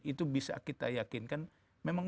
itu bisa kita yakinkan memang